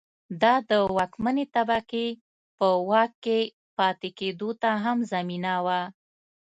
دا د واکمنې طبقې په واک کې پاتې کېدو ته هم زمینه وه.